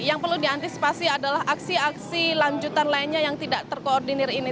yang perlu diantisipasi adalah aksi aksi lanjutan lainnya yang tidak terkoordinir ini